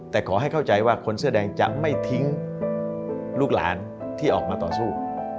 แต่ขอให้เข้าใจว่าคนเสื้อแดงจะไม่ทิ้งลูกหลานที่ออกมาต่อสู้